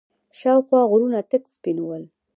شاوخوا غرونه تک سپين ول.